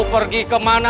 saya pergi ukrainian